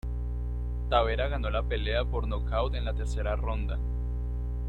Tabera ganó la pelea por nocaut en la tercera ronda.